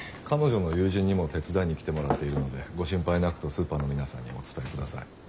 彼女の友人にも手伝いに来てもらっているのでご心配なくとスーパーの皆さんにお伝えください。